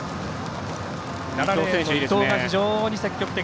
７レーンの伊東が非常に積極的。